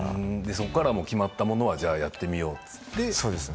そこから決まったものはやってみようといって。